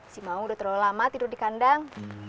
si maung udah terlalu lama tidur di kandang